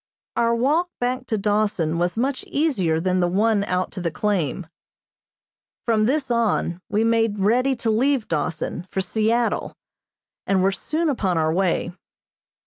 Our walk back to Dawson was much easier than the one out to the claim. From this on, we made ready to leave Dawson for Seattle, and were soon upon our way.